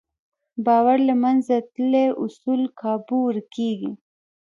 باور له منځه تللی، اصول کابو ورکېږي.